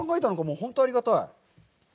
本当にありがたい。